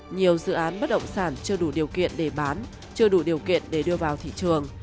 nhiều dự án bất động sản chưa đủ điều kiện để bán chưa đủ điều kiện để đưa vào thị trường